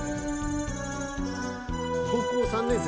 『高校三年生』